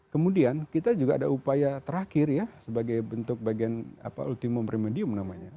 kemudian kita juga ada upaya terakhir ya sebagai bentuk bagian ultimum remedium namanya